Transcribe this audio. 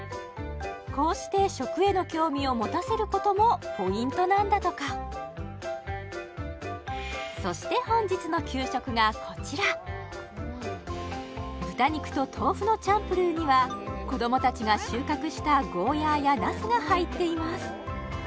こうして食への興味を持たせることもポイントなんだとかそして本日の給食がこちら豚肉と豆腐のチャンプルーには子どもたちが収穫したゴーヤーやなすが入っています